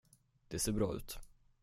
Det ser bra ut.